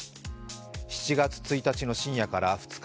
７月１日の深夜から２日